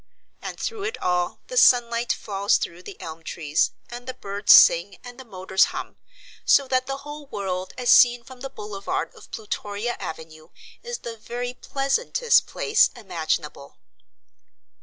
And through it all the sunlight falls through the elm trees, and the birds sing and the motors hum, so that the whole world as seen from the boulevard of Plutoria Avenue is the very pleasantest place imaginable.